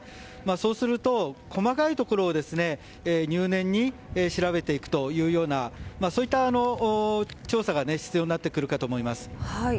そうすると、細かいところを入念に調べていくというようなそういった調査が必要になってくるかと思います。